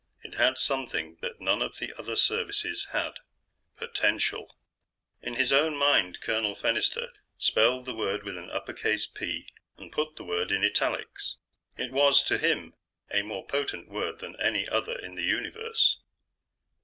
It had something that none of the other Services had Potential. In his own mind, Colonel Fennister spelled the word with an upper case P, and put the word in italics. It was, to him, a more potent word than any other in the Universe.